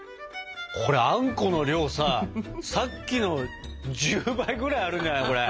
これあんこの量ささっきの１０倍ぐらいあるんじゃないこれ。